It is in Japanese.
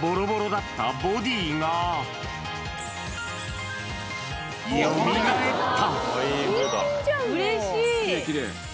ぼろぼろだったボディが、よみがえった。